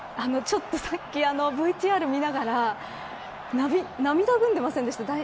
さっきＶＴＲを見ながら涙ぐんでませんでした。